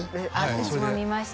私も見ました